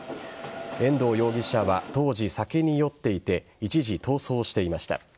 遠藤容疑者は当時、酒に酔っていて一時、逃走していました。